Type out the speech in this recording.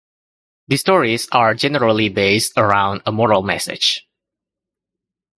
The stories are generally based around a moral message.